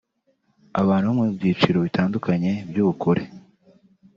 Abantu bo mu byiciro bitandukanye by’ubukure